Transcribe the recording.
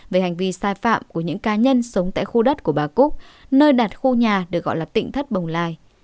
về hành vi sai phạm của những cá nhân sống tại khu đất của bà cúc nơi đặt khu nhà được gọi là tỉnh thất bồng lai